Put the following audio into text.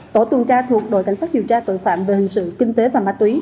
tổ tuần tra thuộc đội cảnh sát điều tra tội phạm về hình sự kinh tế và ma túy